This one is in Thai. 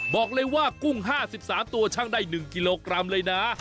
บอกเลยว่ากุ้งห้าสิบสามตัวช่างได้หนึ่งกิโลกรัมเลยนะ